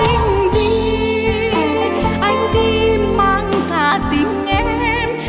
anh đi anh đi mang thả tình em